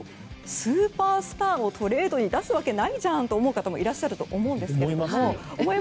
スーパースターをトレードに出すわけないじゃんと思う方もいらっしゃると思うんですが。